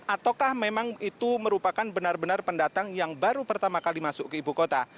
ataukah memang itu merupakan benar benar pendatang yang baru pertama kali masuk ke ibu kota